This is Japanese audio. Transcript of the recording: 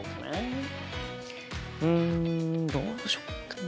うんどうしよっかな。